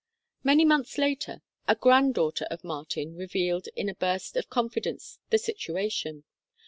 Many months later, a granddaughter of Martin revealed in a burst of confidence the situation.